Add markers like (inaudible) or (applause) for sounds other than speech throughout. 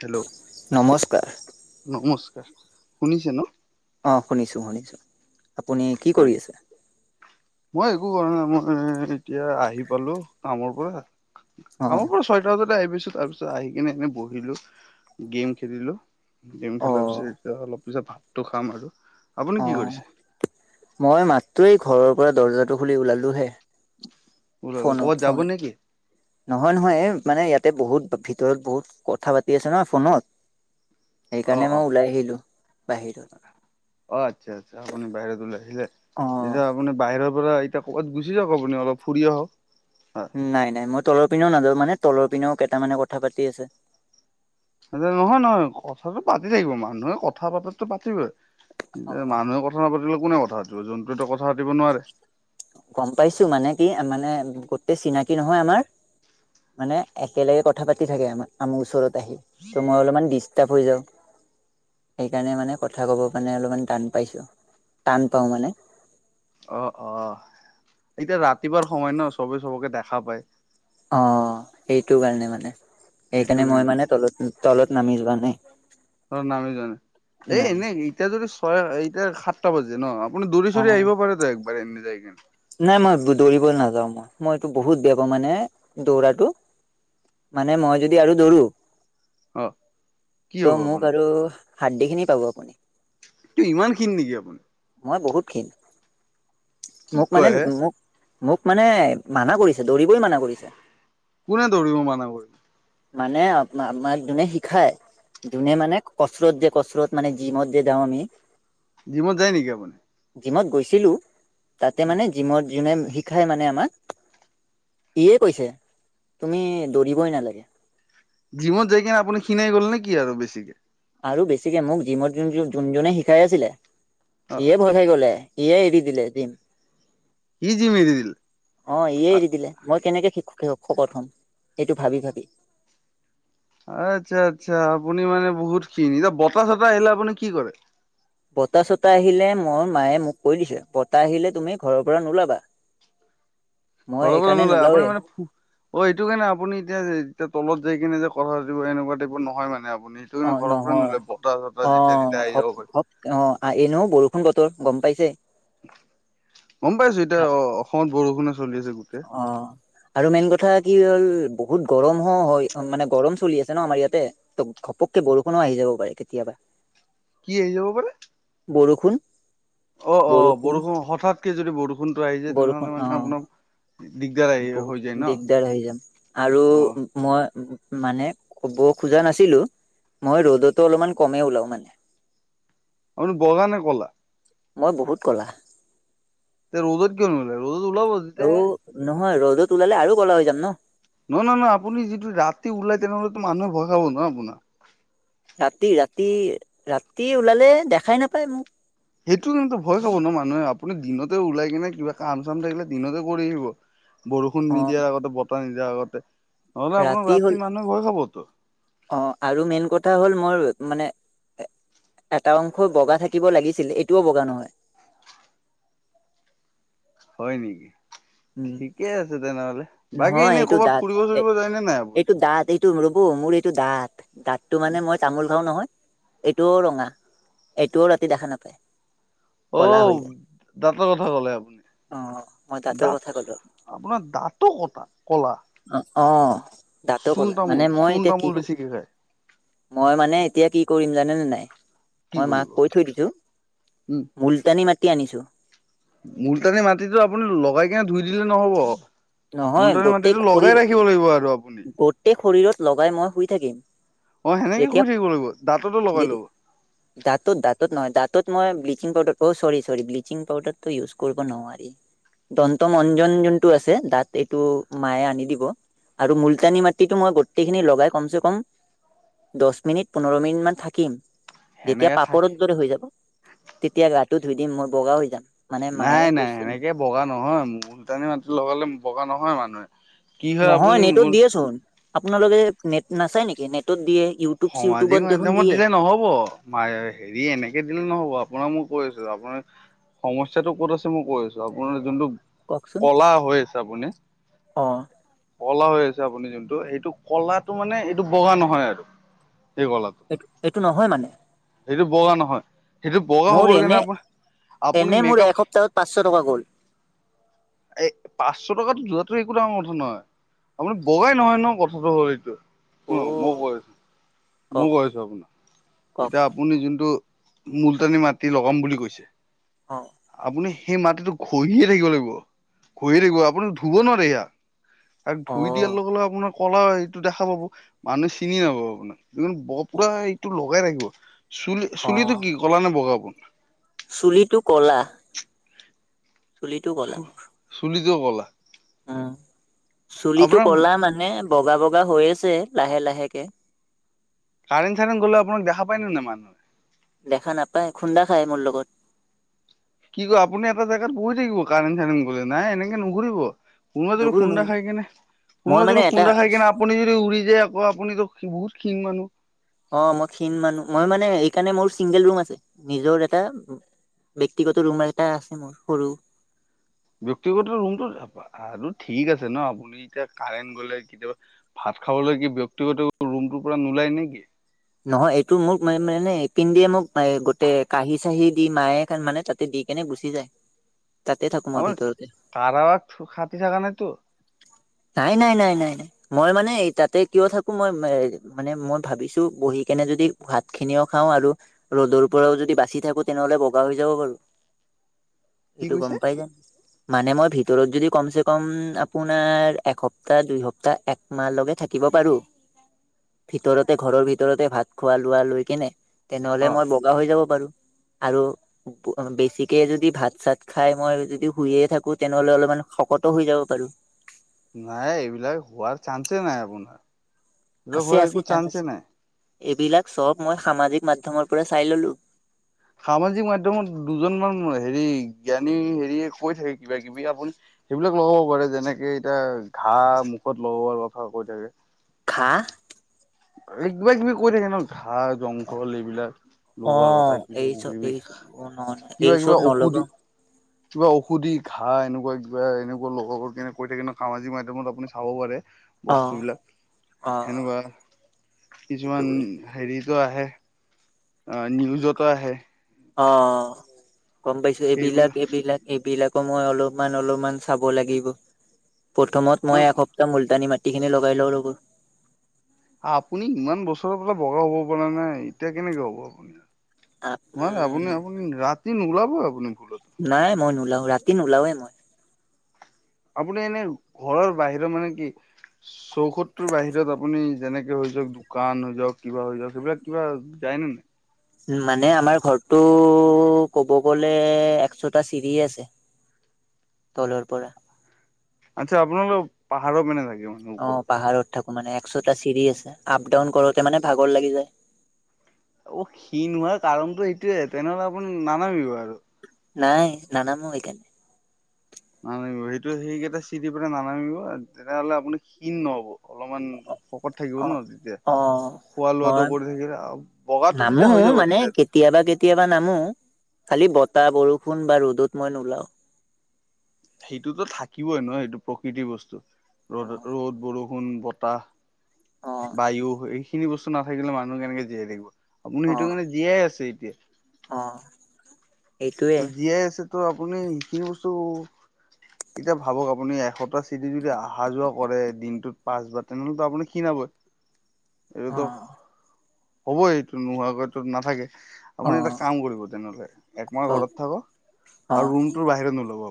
Hello. নমস্কাৰ। নমস্কাৰ শুনিছে ন। অ', শুনিছোঁ শুনিছোঁ, আপুনি কি হয় কৰি আছে। মই একো কৰা নাই, মই এতিয়া আহি পালোঁ কামৰ পৰা। অ আমাৰ পৰা ছয়টা বজাতে আহি পাইছোঁ তাৰ পিছত আহি কিনে এনে বহিলোঁ, গেম খেলিলোঁ। গেম অ খেলাৰ পিছত এতিয়া অলপ পিছত ভাতটো খাম আৰু আপুনি অ কি কৰিছে। মই মাত্ৰ এই ঘৰৰ পৰা দৰ্জাটো খুলি ওলালোঁ হে। ওলালে ফোনত ক'বাত যাব ফুন। নেকি নহয় নহয় হে মানে ইয়াতে বহুত ভিতৰত বহুত কথা পাতি আছে ন ফোনত। অ সেইকাৰণে অ মই ওলাই আহিলো বাহিৰত। অ', আচ্ছা আচ্ছা আপুনি বাহিৰত ওলাই ছিলে অ এতিয়া আপুনি বাহিৰৰ পৰা এতিয়া পোহৰ গুচি গুচি যাব আপুনি অলপ ফুৰি আহক। নাই নাই মই তলৰ পিনেও নাযাও মানে তলৰ পিনেও কেইটামানে কথা পাতি আছে। নহয় নহয় কথাটো পাতি থাকিব মানুহে কথা পাতাতো পাতিবই অ মানুহে ক কথা পাতিলে কোনে কথা আছিল যোনটোতো কথা পাতি নোৱাৰে। গম পাইছো মানে কি মানে গোটেই চিনাকি নহয় আমাৰ। মানে একেলগে কথা পাতি থাকে অমা আমুৰ ওচৰত আহি ত' মই অলপমান ডিষ্টাৰ্ব হৈ যাওঁ। সেইকাৰণে মানে কথা ক'ব মানে অলপমান টান পাইছো, টান পাও মানে। অ', অ', এতিয়া ৰাতিপুৱাৰ সময় ন চবে চবকে দেখা পায়। অ', সেইটো কাৰণে মানে। সেইটো সেইকাৰণে মই কাৰণে মানে তলত-তলত নামি যোৱা নাই, ধৰ নামি যোৱা নাই এই নাই। এনেই এতিয়া যদি চয় এতিয়া খাতা বাজি ন আপুনি দৰি অ চৰি আহিব পাৰে ত একবাৰে এনে যাই কিনে। নাই মই ধৰিব নাযাও মই মইটো বহুত বেয়া পাওঁ মানে দৰাটো। মানে মই যদি আৰু দৌৰো। অ কি ত হ'ব মোক আপোনাৰ আৰু হাড়ি খিনি পাব আপুনি। এইটো ইমান ক্ষীণ নেকি আপুনি। মই বহুত ক্ষিন। কি মোক মানে, কয় হে মোক মোক মানে মানা কৰিছে দৰিবয়ে মানা কৰিছে। কোনে ধৰিব মানা কৰিছে। মানে আ আপোনাক যোনে শিখায়। যোনে মানে কচৎৰত দিয়ে কচৎৰত মানে জিমত যে যাও আমি। জিমত যায় নেকি আপুনি? জিমত গৈছিলো তাতে মানে জিমত যোনে শিকাই মানে আমাক। ইয়ে কৈছে তুমি দৌৰিবই নালাগে। জিমত যাই কিনে আপুনি শিনাই গ'ল নেকি আৰু বেছিকে। আৰু বেছিকে মোক জিমত যোন যোনজনে শিকাই আছিলে অ ইয়ে ভয় খাই গলে। সিয়েই এৰি দিলে জিম। ই জিম এৰি দিলে। অ' ইয়ে এৰি দিলে মই কেনেকে শ শকত হম সেইটো ভাবি ভাবি। আচ্ছা আচ্ছা আপুনি মানে বহুত ক্ষিন। বতাহ চতাহ আহিলে আপুনি কি কৰে? বতাহ চতাহ আহিলে মোৰ মায়ে মোক কৈ দিছে, বতাহ আহিলে তুমি ঘৰৰ পৰা নোলাবা। মই ঘৰৰ পৰা এইকাৰণে নোলয় আপুনি নোলাওৱে মানে অ' এইটো কাৰণে আপুনি এতিয়া যে, এতিয়া তলত যাই কিনে যে কথা পাতিব এনেকুৱা টাইপৰ নহয় মানে আপুনি। অ তুমি ঘৰৰ পৰা নহয় নোলাবা, বতাহ চতাহ অ যেতিয়া তেতিয়া আহি ঘপ যাব পাৰে। ঘপ অ' এ নহয় বৰষুণ বতৰ গম পাইছে। গম পাইছো এতিয়া অ' অসমত বৰষুণে চলি আছে গোটেই। অ'। আৰু মেইন কথা কি হ'ল বহুত গৰম হ হয় মানে গৰম চলি আছে ন আমাৰ ইয়াতে। ত' ঘপককে বৰষুণো আহি যাব পাৰে কেতিয়াবা। কি আহি যাব পাৰে? বৰষুন। অ' অ' বৰষুণ হঠাৎকে যদি বৰষুণতটো আহি যায়, বৰষুণ তেনেহ'লে অ মানে আপোনাৰ দিগদাৰ। আহি হৈ যায় বহুত ন দিগদাৰ হৈ যায় অ আৰু মই মানে ক'ব খোজা নাছিলো। মই ৰ'দতো অলপমান কমে ওলাও মানে। আপোনি বগানে ক'লা। মই বহুত ক'লা। তে ৰ'দত কিয় নোলায় ৰ'দত ওলাব। অঔ তেতিয়াহে নহয় ৰ'দত ওলালে আৰু ক'লা হৈ যাম ন। নহয়, নহয়, নহয়, আপুনি যটো ৰাতি ওলাই তেনেহ'লেতো মানুহে ভয় খাব ন আপোনাক। ৰাতি ৰাতি ৰাতি ওলালে দেখাই নাপায় মোক। সেইটো কিন্তু ভয় খাব ন মানুহে আপুনি দিনতে ওলাই কিনে কিবা কাম চাম থাকিলে দিনতে কৰি আহিব। বৰষুণ অ নিদিয়াৰ আগতে বতাহ নিদিয়াৰ আগতে নহলে আপোনাক ৰাতি মানুহে ভয় খাবতো। অ' আৰু মেইন কথা হ'ল মোৰ মানে এটা অংশই বগা থাকিব লাগিছিল এইটোও বগা নহয়। হয় নেকি? উম। ঠিকে আছে। তেনেহ'লে বাকী এনেই ক'ৰবাত ফুৰিব চুৰিব যায়নে নাই আপুনি? ৰবো মোৰ এইটো দাঁত দাঁতটো মানে মই তামোল খাও নহয়। এইটোও ৰঙা এইটোও ৰাতি দেখা নাপায়। অ' ক'লা হৈ যায় দাঁতৰ কথা ক'লে অ মই আপুনি দাঁতৰ কথা দাঁত। ক'লো আপোনাৰ দাঁটো কটা ক'লা। অ' অ' দাটো ক', চূণ লা তামোল মানে মই চূণ এতিয়া কি তামোল কো বেছিকে খায় মই মানে এতিয়া কি কৰিম জানেনে নাই। কি মই মাক কৰিব? কৈ থৈ দিছো মুলতানি মাতি আনিছো। মলটানি মাটিতটো আপুনি লগাই কিনে ধুই দিলে নহব। নহয় মলটানী গোটেই মাটিটো শৰীৰ লগাই ৰাখিব লাগিব আৰু আপুনি গোটেই শৰীৰত লগাই মই শুই থাকিম। অ সেনেকে যেতিয়া ঘহি থাকিব লাগিব, দাঁততো লগাই যেতিয়া ল'ব। দাঁতত দাঁতত নহয় দাঁতত মই ব্লিচিং পাউদাৰ অ' চৰি চৰি ব্লিচিং পাউদাৰটো ইউজ কৰিব নোৱাৰি। দন্ত মঞ্জন যোনটো আছে দাত এইটো মায়ে আনি দিব। আৰু মুলতানী মাটিটো মই গোটেইখিনি লগাই কমচে কম দহচ মিনিট পোন্ধৰ মিনিট মান থাকিম। যেতিয়া সেনেকে থাক পাপৰৰ দৰে হৈ যাব, তেতিয়া গাটো ধুই দিম মই। বগা হৈ যাম। মানে নাই মায়ে নাই কৈছে। সেনেকে বগা নহয় লটানি মাটি লগালে বগা নহয় মানুহে। কি হয় নহয় আপুনি নেটত মূল দিয়ে চোন, আপোনালোকে নেট নাচাই নেকি? নেটত দিয়ে ইউ সমাজিক মাধ্যমত দিলে নহ'ব। মায় হেৰি এনেকে দিলে নহ'ব আপোনাৰ মই কৈ আছো আপোনাৰ সমস্যাটো ক'ত আছে মই কৈ আছো, আপোনাৰ যোনটো কওকচোন। ক'লা হৈ আছে আপুনি? অ কলা হৈ আছে আপুনি যোনটো সেইটো কলাটো মানে এইটো বগা নহয় আৰু। (unintelligible) এইটো, এইটো নহয় মানে? এইটো বগা নহয়। সেইটো বগা মোৰ হবলেগে এনে নাই পোৱা আপুনি এনে মোৰ মেকআপ- এসপ্তাহত পাঁচশ টকা গ'ল। এই, পাঁচশ টকাতো যোৱাটো একো ডাঙৰ কথা নহয়। আপুনি বগাই নহয় ন কথাটো হ'ল এইটোয়ে অ শুন মই কৈ আছোঁ। মই কওক কৈ আছো আপোনাক কওক এতিয়া আপুনি যোনটো মুলতানি মাটি লগাম বুলি কৈছে? অ আপুনি সেই মাটিটো খহিয়ে থাকিব লাগিব, খহি থাকিব আপুনি ধুব নোৱাৰে সেইয়া আৰু অ ধুই দিয়াৰ লগে লগে আপোনাৰ, ক'লা হেইটো দেখা পাব। মানুহে চিনিয়ে নাপাব আপোনাক। পুৰা এইটো লগাই ৰাখিব চুলি অ চুলিটো কি কলা নে বগা পোন। চুলিটো কলা। চুলিটো গ'লা মোৰ। চুলিত কিয় ক'লা? উমঁ চুলিটো আপোনাক কলা মানে বগা বগা হৈ আছে লাহে লাহেকে। কাৰেণ-চাৰেণ গ'লে আপোনাক দেখা পায় নে নাই মানুহে? দেখা নাপায়। খুন্দা খাই মোৰ লগত। কি কয়, আপুনি এটা জেগাত বহি থাকিব। কাৰেণ্ট-চাৰেণ্ট গলে, নাই এনেকে নুঘৰিব। কোনোবা যদি নুঘুৰো খুন্দা নুঘুৰো খাই কিনে মই কোনোবা মানে এটা খুন্দা খাই কিনে আপ- আপুনি যদি উৰি যায় আকৌ আপনিটো বহুত ক্ষীণ মানুহ। অ', মই ক্ষীণ মানুহ, মই মানে এই কাৰণে মোৰ চিংগল ৰুম আছে। নিজৰ এটা ব্যক্তিগত ৰুমো এটা আছে মোৰ সৰু। ব্যক্তিগত ৰুমটো আৰু ঠিক আছে ন আপুনি এতিয়া কাৰেণ্ট গ'লে কেতিয়াবা ভাত খাবলৈ কি ব্যক্তিগত ৰুমটোৰ পৰা নোলাই নে কি? নহয়, এইটো মোক মানে -মানে এ কিনদিয়ে মোক, গোটে কাঁহী- চাঁহী দি মায়ে মানে তাত দি কেনে গুচি যায়। তাতে থাকো মই আমাৰ ভিতৰতে তাৰাত খাতি থাকা নাইতো। নাই-নাই-নাই-নাই-নাই মই মানে তাতে কিয় থাকো মই মানে মই ভাবিছো বহি কেনে যদি ভাত খিনিও খাওঁ আৰু ৰ'দৰ পৰাও যদি বাচি থাকো তেনেহ'লে বগা হৈ যাব পাৰো। (inaudible) এইটো গ'ম পাই যায়। মানে মই ভিতৰত যদি কমচে কম আপোনাৰ এসপ্তাহ দুই সপ্তাহ একমাহলৈকে থাকিব পাৰো (inaudible) ভিতৰতে ঘৰৰ ভিত ভিতৰতে ভাত খোৱা-লোৱা লৈ কেনে তেনেহ'লে অ মই বগা হৈ যাব পাৰো। আৰু বেছিকে যদি ভাত চাত খাই মই যদি শুইয়ে থাকো তেনেহ'লে অলপমান শকতো হৈ যাব পাৰো। নাই এইবিলাক হোৱাৰ চান্সে নাই আপোনাৰ, এইবিলাক আছে হোৱাৰ আছে একো চান্স আছে চান্সে নাই। এইবিলাক সব মই সামাজিক মাধ্যমৰ পৰা চাই ল'লো। সামাজিক মাধ্যমত দুজনমান হেৰি জ্ঞানী হেৰীয়ে কৈ থাকে কিবা-কিবি আপুনি সেইবিলাক লগাব পাৰে, যেনেকে এতিয়া ঘাঁহ মুখত লগোৱাৰ কথা কৈ থাকে ঘাঁহ কিবা-কিবি কৈ থাকে ন ঘাঁহ জংঘল এইবিলাক লগোৱাৰ কথা অ' কিবা এই চব কিবি এই চব অ' ন কিবা এই চব কিবা ঔষধি নলগাও কিবা ঔষধি ঘাঁহ এনেকুৱা কিবা এনেকুৱা লগোৱাৰ কেনে কৈ থাকে ন সামাজিক মাধ্যমত আপুনি চাব পাৰে। অ' বস্তুবিলাক অ' সেনেকুৱা এইটো কিছুমান হেৰিতো আহে। অ' নিউজতো আহে। অ' গ'ম পাইছো এইবিলাক সেইবিলাক এইবিলাক। এইবিলাকো মই অলপমান অলপমান চাব লাগিব। প্ৰথমত অ মই এসপ্তাহ মুলতানি মাটিখিনি লগাই লওঁ ৰ'ব। আপুনি ইমান বছৰৰ পৰা বগা হ'ব পৰা নাই, এতিয়া কেনেকে হ'ব। ইমান আপুনি আপুনি ৰাতি নোলাবই আপুনি ভুলতো। নাই মই নোলাও ৰাতি নোলাওৱে মই। আপুনি এনে ঘৰৰ বাহিৰৰ মানে কি চৌহতটোৰ বাহিৰত আপুনি যেনেকে হৈ দোকান হৈ যাওক কিবা হৈ যাওক সেইবিলাক কিবা যায়নেে নাই? উম, মানে আমাৰ ঘৰটো ক'ব গ'লে একশটা চিৰি আছে। তলৰ পৰা। আচ্ছা আপোনালোক পাহাৰৰ মানে থাকে মানে? ওপৰত অ' পাহাৰত থাকো মানে, একশটা চিৰি আছে আপ ডাউন কৰোতে মানে ভাগৰ লাগি যায়। অ' ক্ষীণ হোৱাৰ কাৰণটো সেইটোৱে, তেনেহ'লে আপুনি নানামিব আৰু। নাই নানামো এইকাৰণে। নানামিব সেইটো সেইকেইটা চিৰি পৰা নানামিব, তেতিয়া হ'লে আপুনি ক্ষীণ নহ'ব, অলপমান শকত থাকিব অ ন তেতিয়া অ খোৱা লোৱাটো মই কৰি থাকিলে, আৰু বগাটো নামো তেতিয়া হৈ যাব মানে তেতিয়া। কেতিয়াবা কেতিয়াবা নামো, খালি বতাহ, বৰষুণ বা ৰ'দত মই নোলাও। সেইটোতো থাকিবই নহয় সেইটো প্ৰকৃতিৰ বস্তু। ৰ'দ, ৰ'দ, বৰষুণ, অ বতাহ বায়ু, এইখিনি বস্তু নাথাকিলে মানুহ কেনেকে জীয়াই থাকিব। আপুনি অ অ সেইটো কাৰণে জীয়াই আছে এতিয়া। অ'। এইটোৱে ত' জীয়াই আছে তো আপুনি এইখিনি বস্তু, এতিয়া ভাবক আপুনি এশটা সেইতে যদি আহা যোৱা কৰে দিনটোত পাঁচ বাৰ, তেনেহ'লেতো আপুনি ক্ষীণাবই। অ এইটোতো হ'বই এইটো নোহোৱাকৈতো নাথাকে। অ আপুনি এটা কাম কৰিব তেনেহ'লে, এক মই কওক ঘৰত থাকোঁ, অ আৰু ৰুমটোৰ বাহিৰত নলাব (unintelligible)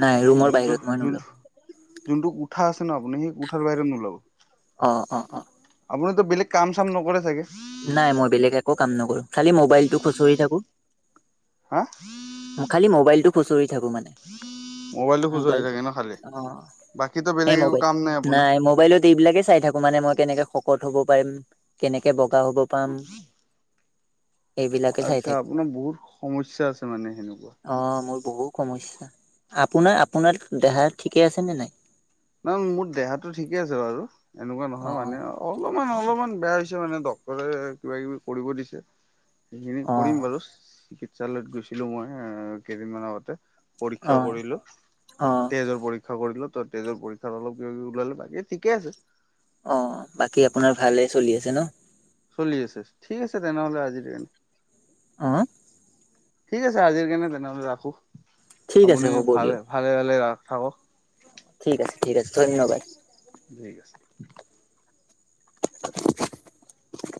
নাই ৰুমৰ যোনটো বাহিৰত মই যোন নোলাও যোনটো কোঠা আছে ন', আপুনি সেই কোঠাৰ বাহিৰত নোলাব। অ, অ, অ'। আপুনিতো বেলেগ কাম-চাম নকৰে চাগে। নাই মই বেলেগ একো কাম নকৰো, খালি মোবাইলটো খুচৰি থাকো হা? খালি মবাইলটো খুচৰি থাকোঁ মানে। মোবাইলটো খোজ হৈ মবাইল থাকে ন খালি অ', বাকীতো সেই বেলেগ একো মোবাইল, কাম আপোনাৰ নাই মোবাইলত এইবিলাকে চাই থাকোঁ মানে, মই কেনেকে শকত হ'ব পাৰিম, কেনেকে বগা হ'ব পাম। এইবিলাকে চাই আচ্ছা, থাকি আপোনাৰ বহুত সমস্যা আছে মানে সেনেকোৱা অ', মোৰ বহু সমস্যা, আপোনাৰ, আপোনাৰ দেহা ঠিকে আছে নে নাই? নহয় মোৰ দেহাতো ঠিকে আছে বাৰু, এনেকুৱা অ নহয় মানে আৰু। অলপমান, অলপমান বেয়া হৈছে মানে, ডক্তৰে কিবা কিবি কৰিব দিছে। সেইখিনি অ কৰিম বাৰু, চিকিৎসালয়ত গৈছিলো মই এ, কেইদিনমান আগতে। অ পৰীক্ষা কৰিলোঁ, অ তেজৰ পৰীক্ষা কৰিলোঁ তাত। তেজৰ পৰীক্ষা অলপ কিবা কিবি ওলালে, বাকী ঠিকে আছে। অ', বাকী আপোনাৰ ভালে চলি আছে ন'? চলি আছে, ঠিক আছে তেনেহ'লে আজিৰ দিয়া। হা? ঠিক আছে আজিৰ কাৰণে তেনেহ'লে ৰাখো, ঠিক আছে আপুনি হ'ব দিয়ক ভালে ভালে ভালে ৰা, থাকক। ঠিক আছে, ঠিক আছে, ধন্যবাদ। ঠিক আছে। (inaudible)